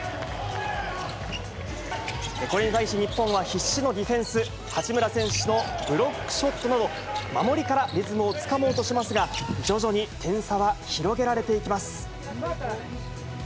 これに対し日本は、必死のディフェンス、八村選手のブロックショットなど、守りからリズムをつかもうとしますが、徐々に点差は広げられていきます。